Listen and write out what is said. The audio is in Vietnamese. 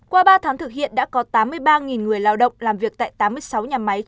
qua ba tháng thực hiện đã có tám mươi ba người lao động làm việc tại tám mươi sáu nhà máy